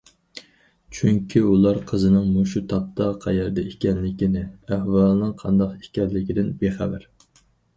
چۈنكى ئۇلار قىزىنىڭ مۇشۇ تاپتا قەيەردە ئىكەنلىكىنى، ئەھۋالىنىڭ قانداق ئىكەنلىكىدىن بىخەۋەر.